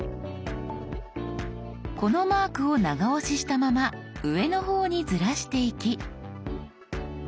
このマークを長押ししたまま上の方にずらしていき。